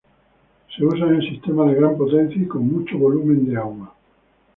Se usan en sistemas de gran potencia y con mucho volumen de agua.